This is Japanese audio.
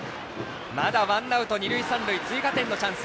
まだ、ワンアウト、二塁三塁追加点のチャンス。